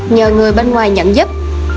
nhờ người bên ngoài nhận giúp